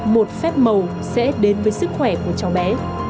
một phép màu sẽ đến với sức khỏe của cháu bé